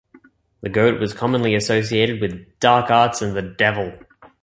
The goat was commonly associated with dark arts and the devil.